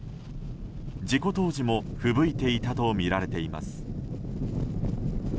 事故当時もふぶいていたとみられています。